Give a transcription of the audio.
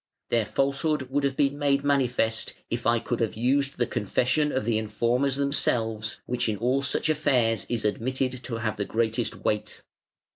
Their falsehood would have been made manifest, if I could have used the confession of the informers themselves, which in all such affairs is admitted to have the greatest weight.